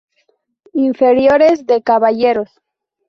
Inferiores "D" caballeros.